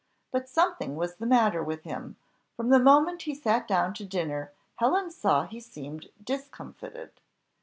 But something was the matter with him; from the moment he sat down to dinner Helen saw he seemed discomfited.